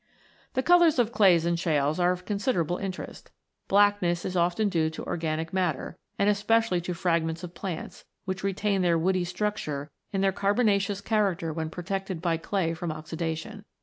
The colours of clays and shales are of considerable interest. Blackness is often due to organic matter, and especially to fragments of plants, which retain their woody structure and their carbonaceous cha racter when protected by clay from oxidation.